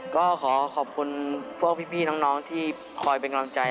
ก็ขอขอบคุณพวกพี่น้องที่คอยเป็นกำลังใจ